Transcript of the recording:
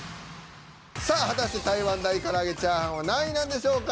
さあ果たして台湾大からあげチャーハンは何位なんでしょうか。